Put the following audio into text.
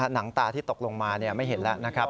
หนังตาที่ตกลงมาไม่เห็นแล้ว